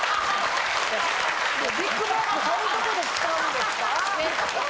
ビックマックそういうとこで使うんですか？